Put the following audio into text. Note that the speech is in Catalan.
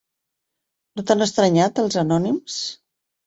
No t'han estranyat, els anònims?